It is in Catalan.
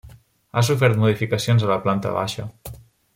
Ha sofert modificacions a la planta baixa.